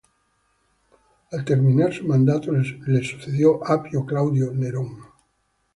Al terminar su mandato le sucedió Apio Claudio Nerón.